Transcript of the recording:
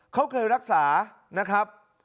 เขาเคยรักษานะครับ